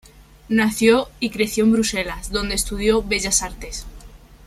Nació y creció en Bruselas, donde estudió Bellas Artes.